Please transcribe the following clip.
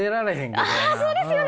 ああそうですよね！